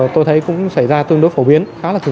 tôi thấy cũng xảy ra tương đối phổ biến